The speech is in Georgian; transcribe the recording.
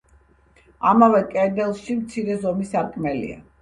ამავე კედელში მცირე ზომის სარკმელია.